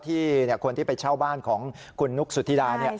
ที่คนที่ไปเช่าบ้านของคุณนุกสุธิดา